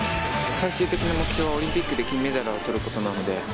最終的な目標はオリンピックで金メダルを取ることなんで。